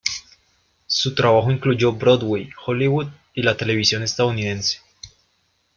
Su trabajo incluyó Broadway, Hollywood y la televisión estadounidense.